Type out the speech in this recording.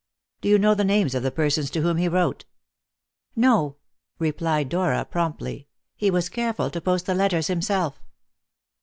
"Do you know the names of the persons to whom he wrote?" "No," replied Dora promptly; "he was careful to post the letters himself."